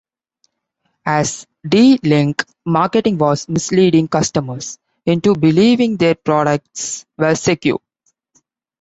As D-Link marketing was misleading customers into believing their products were secure.